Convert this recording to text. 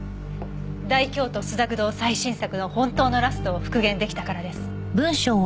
『大京都朱雀堂』最新作の本当のラストを復元出来たからです。